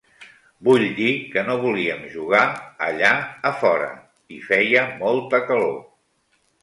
Vull dir que no volíem jugar allà a fora, hi feia molta calor.